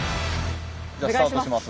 じゃあスタートします。